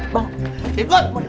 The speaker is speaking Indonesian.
pak bakuglu di mana pak